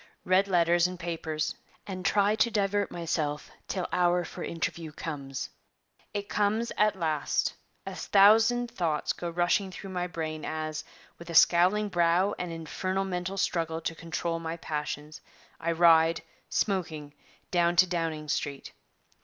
Read letters and papers and try to divert myself till hour for interview comes. 'It comes at last: a thousand thoughts go rushing through my brain as, with a scowling brow and infernal mental struggle to control my passions, I ride, smoking, down to Downing Street.